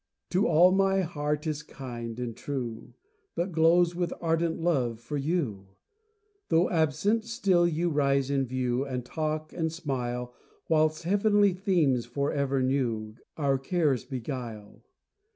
To all my heart is kind and true, But glows with ardent love for you; Though absent, still you rise in view, And talk and smile, Whilst heavenly themes, for ever new, Our cares beguile.